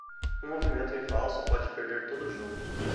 Um movimento em falso pode perder todo o jogo.